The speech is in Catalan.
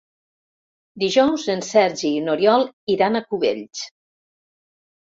Dijous en Sergi i n'Oriol iran a Cubells.